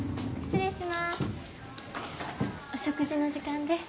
失礼します。